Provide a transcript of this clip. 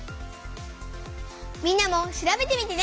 みんなも調べてみてね！